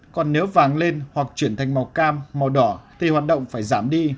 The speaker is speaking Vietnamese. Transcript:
còn nếu vàng lên hoặc chuyển thành màu cam màu đỏ thì hoạt động phải giảm đi